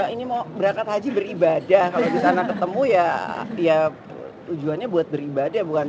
ini mau berangkat haji beribadah kalau di sana ketemu ya ya tujuannya buat beribadah bukan